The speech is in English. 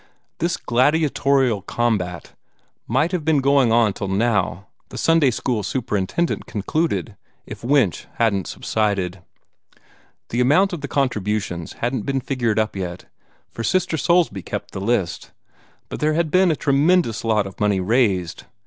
This gladiatorial combat might have been going on till now, the Sunday school superintendent concluded, if Winch hadn't subsided. The amount of the contributions hadn't been figured up yet, for Sister Soulsby kept the list; but there had been a tremendous lot of money raised.